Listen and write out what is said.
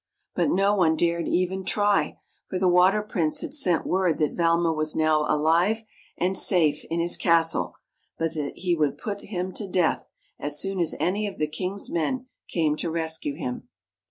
But no one dared even try, for the Water Prince had sent word that Valma was now alive and safe in his castle, but that he would put him to death as soon as any of the king's men came to rescue him.